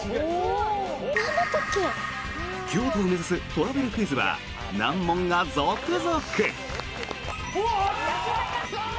京都を目指すトラベルクイズは難問が続々。